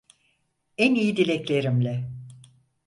En iyi dileklerimle.